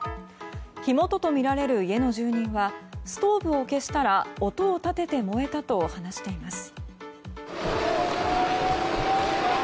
火元とみられる家の住人はストーブを消したら音を立てて燃えたと話しています。